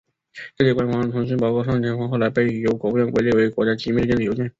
这些官方通信包括上千封后来被由国务院归类为国家机密的电子邮件。